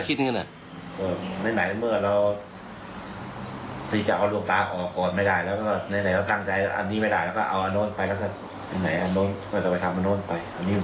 ก็เลยเปลี่ยนไปเอาอันนู้นไป